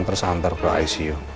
terus hantar ke icu